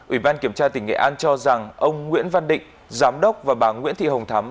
ủy ban kiểm tra tỉnh nghệ an cho rằng ông nguyễn văn định giám đốc và bà nguyễn thị hồng thắm